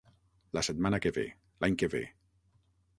La setmana que ve, l'any que ve.